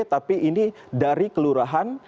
tapi ini dari kelurahan